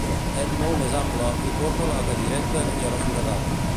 És molt més ample i porta a la Cadireta i a la Foradada.